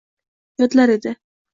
Yodlar edi